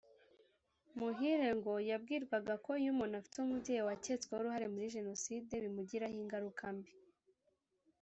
Muhire ngo yabwirwaga ko iyo umuntu afite umubyeyi waketsweho uruhare muri jenoside bimugiraho ingaruka mbi